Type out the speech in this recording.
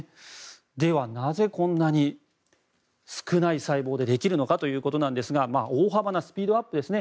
では、なぜこんなに少ない細胞でできるのかですが大幅なスピードアップですね。